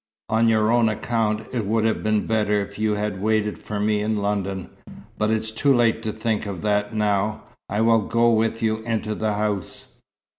On your own account it would have been better if you had waited for me in London. But it's too late to think of that now. I will go with you into the house."